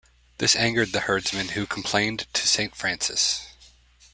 This angered the herdsman, who complained to Saint Francis.